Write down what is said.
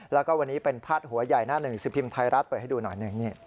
แล้วก็วันนี้เป็นพาดหัวใหญ่หน้าหนึ่งสิบพิมพ์ไทยรัฐเปิดให้ดูหน่อยหนึ่ง